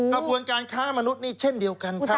กระบวนการค้ามนุษย์นี่เช่นเดียวกันครับ